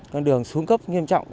con đường xuống cấp nghiêm trọng